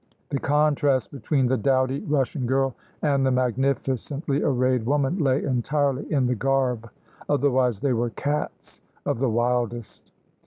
The contrast between the dowdy Russian girl and the magnificently arrayed woman lay entirely in the garb; otherwise they were cats of the wildest.